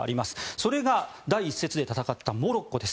それが第１節で戦ったモロッコです。